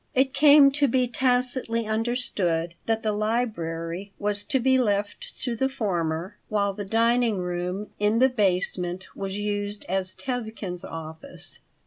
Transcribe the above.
It came to be tacitly understood that the library was to be left to the former, while the dining room, in the basement, was used as Tevkin's office.